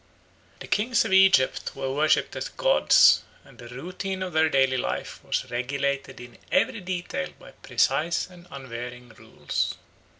The kings of Egypt were worshipped as gods, and the routine of their daily life was regulated in every detail by precise and unvarying rules.